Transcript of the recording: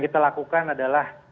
kita lakukan adalah